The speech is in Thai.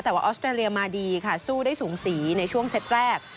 แต่ว่าออสเตรเลียมาดีค่ะสู้ได้สูงสีในช่วงเซตแรก